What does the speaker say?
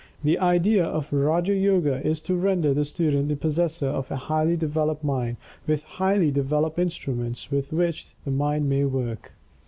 The idea of Raja Yoga is to render the student the possessor of a highly developed Mind, with highly developed instruments with which the mind may work.